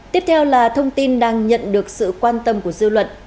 tiếp theo là thông tin đang nhận được sự quan tâm của dư luận